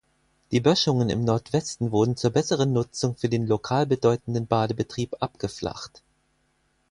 Die Böschungen im Nordwesten wurden zur besseren Nutzung für den lokal bedeutenden Badebetrieb abgeflacht.